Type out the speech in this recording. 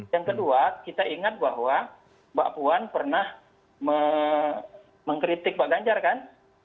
yang kedua kita ingat bahwa mbak puan pernah mengkritik pak ganjar kan